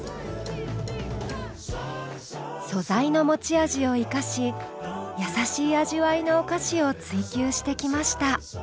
素材の持ち味を生かしやさしい味わいのお菓子を追求してきました。